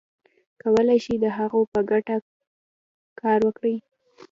کولای شي د هغوی په ګټه کار وکړي.